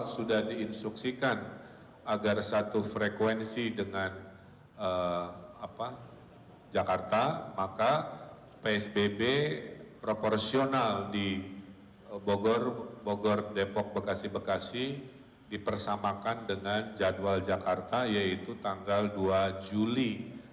sudah diinstruksikan agar satu frekuensi dengan jakarta maka psbb proporsional di bogor depok bekasi bekasi dipersamakan dengan jadwal jakarta yaitu tanggal dua juli dua ribu dua puluh